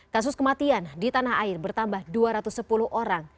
kasus kematian di tanah air bertambah dua ratus sepuluh orang